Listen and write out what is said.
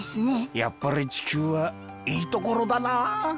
やっぱりちきゅうはいいところだな。